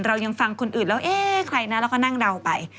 เรายังฟังคนอื่นแล้วเอ๊ะใครนะเราก็นั่งเดาไป